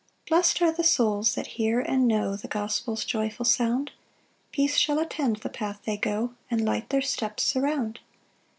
1 Blest are the souls that hear and know The gospel's joyful sound; Peace shall attend the path they go, And light their steps surround.